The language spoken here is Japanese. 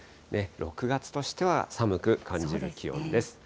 ６月としては寒く感じる気温です。